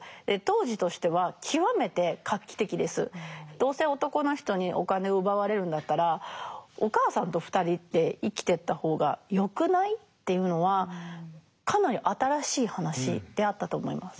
どうせ男の人にお金を奪われるんだったらお母さんと２人で生きてった方がよくない？っていうのはかなり新しい話であったと思います。